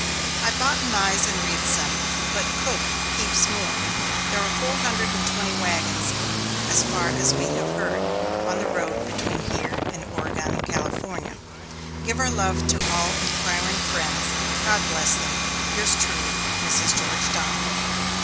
I botanize and read some, but cook "heaps" more. There are four hundred and twenty wagons, as far as we have heard, on the road between here and Oregon and California. Give our love to all inquiring friends. God bless them. Yours truly, MRS. GEORGE DONNER.